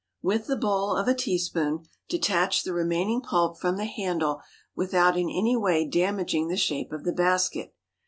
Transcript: With the bowl of a teaspoon detach the remaining pulp from the inside without in any way damaging the shape of the basket.